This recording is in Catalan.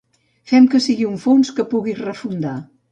Fem que sigui un fons que pugui refundar.